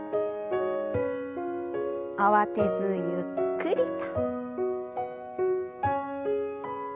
慌てずゆっくりと。